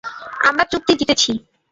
আমরা চুক্তি জিতেছি।